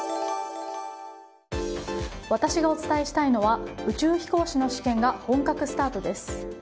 私がお伝えしたいのは宇宙飛行士の試験が本格スタートです。